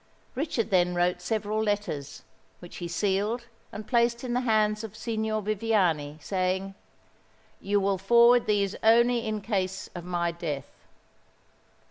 Richard then wrote several letters, which he sealed and placed in the hands of Signor Viviani, saying, "You will forward these only in case of my death."